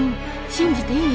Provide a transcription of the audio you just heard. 信じていい？